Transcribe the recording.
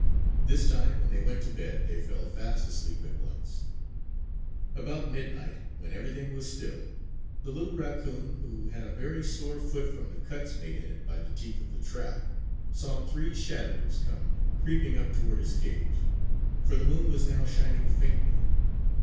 This time, when they went to bed, they fell fast asleep at once. About midnight, when everything was still, the little raccoon, who had a very sore foot from the cuts made in it by the teeth of the trap, saw three shadows come creeping up toward his cage; for the moon was now shining faintly.